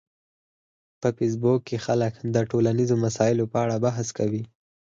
په فېسبوک کې خلک د ټولنیزو مسایلو په اړه بحث کوي